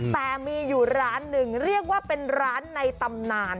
แต่มีอยู่ร้านหนึ่งเรียกว่าเป็นร้านในตำนาน